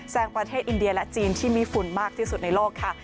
งประเทศอินเดียและจีนที่มีฝุ่นมากที่สุดในโลกค่ะ